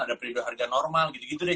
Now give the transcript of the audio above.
ada periode harga normal gitu gitu deh